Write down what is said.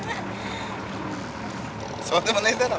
そうでもねえだろ。